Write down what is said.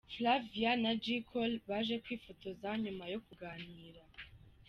Flavia na J Cole baje kwifotoza nyuma yo kuganira.